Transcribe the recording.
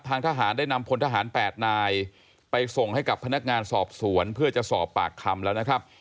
ทหารได้นำพลทหาร๘นายไปส่งให้กับพนักงานสอบสวนเพื่อจะสอบปากคำแล้วนะครับ